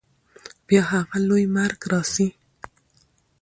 بیا هغه لوی مرګ راسي